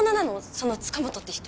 その塚本って人。